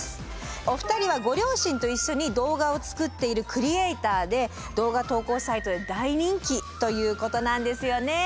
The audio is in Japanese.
お二人はご両親と一緒に動画を作っているクリエーターで動画投稿サイトで大人気ということなんですよね。